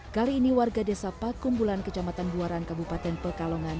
kali ini warga desa pakungbulan kejamatan buaran kabupaten pekalongan